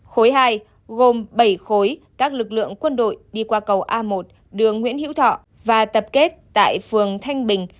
khối hai gồm bảy khối các lực lượng quân đội đi qua cầu a một đường nguyễn hữu thọ và tập kết tại phường thanh bình